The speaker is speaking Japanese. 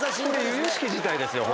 由々しき事態ですよ。